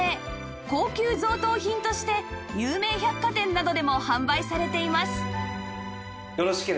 高級贈答品として有名百貨店などでも販売されています